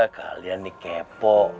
kalian nih kepo